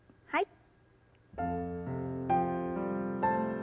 はい。